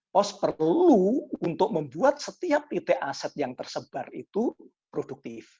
pos perlu untuk membuat setiap titik aset yang tersebar itu produktif